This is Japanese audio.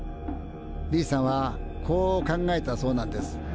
Ｂさんはこう考えたそうなんです。